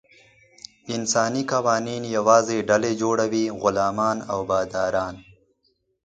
انساني قوانین یوازې ډلې جوړوي: غلامان او باداران.